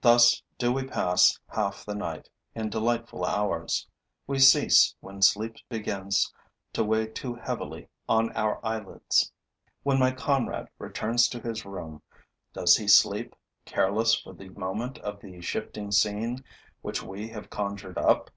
Thus do we pass half the night, in delightful hours. We cease when sleep begins to weigh too heavily on our eyelids. When my comrade returns to his room, does he sleep, careless for the moment of the shifting scene which we have conjured up?